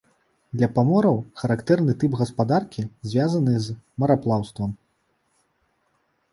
Для памораў характэрны тып гаспадаркі, звязаны з мараплаўствам.